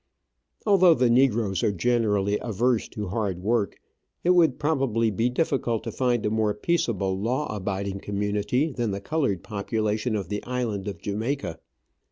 Although the negroes are generally averse to hard work, it would probably be difficult to find a more peaceable, law abiding community than the coloured population of the island of Jamaica.